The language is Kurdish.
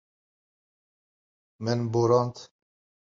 Min borand.